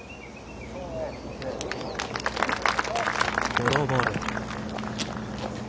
ドローボール。